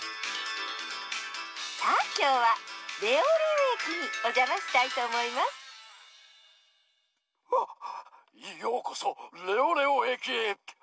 さあきょうはレオレオえきにおじゃましたいとおもいますあようこそレオレオえきへ！